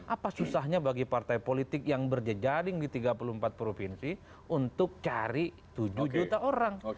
apa susahnya bagi partai politik yang berjejaring di tiga puluh empat provinsi untuk cari tujuh juta orang